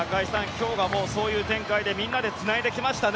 今日はそういう展開でみんなでつないできましたね